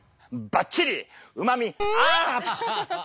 ばっちりうまみアップ！